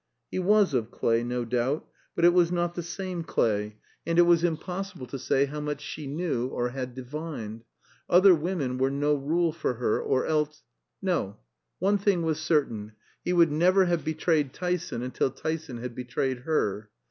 He was of clay, no doubt, but it was not the same clay; and it was impossible to say how much she knew or had divined; other women were no rule for her, or else No. One thing was certain, he would never have betrayed Tyson until Tyson had betrayed her.